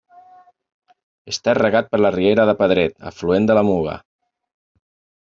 Està regat per la riera de Pedret, afluent de la Muga.